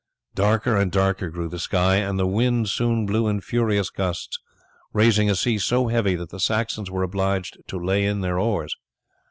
Darker and darker grew the sky, and the wind soon blew in furious gusts, raising a sea so heavy that the Saxons were obliged to lay in their oars.